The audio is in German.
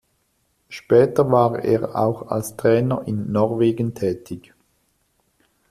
Später war er auch als Trainer in Norwegen tätig.